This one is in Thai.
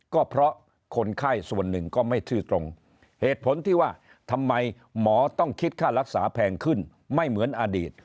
ก็เพราะคนไข้ส่วนหนึ่งก็ไม่ทื่อตรงเหตุผลที่ว่าทำไมหมอต้องคิดค่ารักษาแพงขึ้นไม่เหมือนอดีต